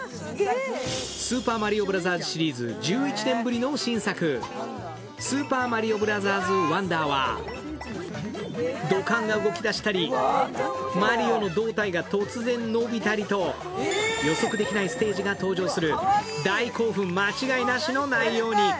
「スーパーマリオブラザーズ」シリーズ１１年ぶりの新作、「スーパーマリオブラザーズワンダー」は土管が動き出したり、マリオの胴体が突然伸びたりと、予測できないステージが登場する大興奮間違いなしの内容に。